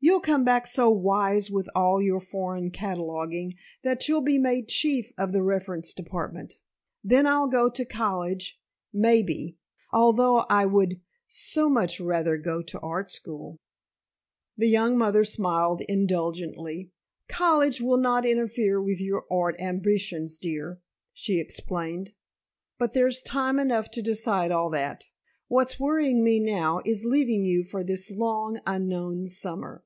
"You'll come back so wise with all your foreign cataloging, that you'll be made chief of the reference department. Then I'll go to college maybe; although I would so much rather go to art school." The young mother smiled indulgently. "College will not interfere with your art ambitions, dear," she explained. "But there's time enough to decide all that. What's worrying me now, is leaving you for this long, unknown summer."